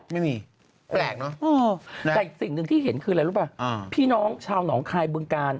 ไม่มีแปลกเนอะแต่อีกสิ่งหนึ่งที่เห็นคืออะไรรู้ป่ะพี่น้องชาวหนองคายบึงกาล